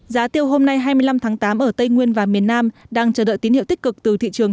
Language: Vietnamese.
giá tiêu hôm nay hai mươi năm tháng tám ở tây nguyên và miền nam đang chờ đợi tín hiệu tích cực từ thị trường